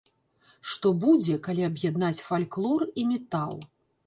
Што будзе, калі аб'яднаць фальклор і метал?